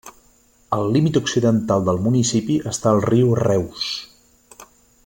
Al límit occidental del municipi està el riu Reuss.